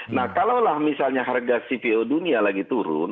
nah kalaulah misalnya harga cpo dunia lagi turun